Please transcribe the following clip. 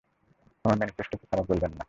আমার ম্যানিফেস্টোকে খারাপ বলবেন না।